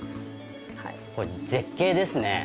これ絶景ですね。